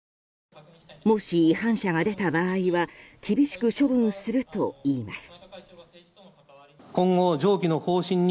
もし違反者が出た場合は厳しく処分するといいます。